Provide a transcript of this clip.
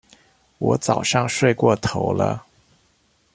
我早上睡過頭了